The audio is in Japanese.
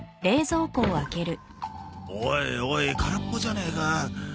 おいおい空っぽじゃねえか。